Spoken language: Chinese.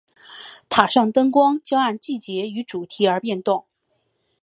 塔上灯光将按季节与主题而变动。